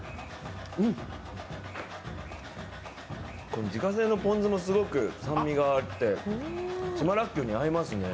これ、自家製のポン酢もすごく酸味があって島らっきょうに合いますね